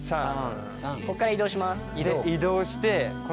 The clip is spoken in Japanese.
ここから移動します。